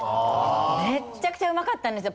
めっちゃくちゃうまかったんですよ。